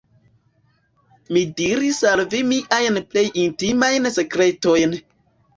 Mi diris al vi miajn plej intimajn sekretojn.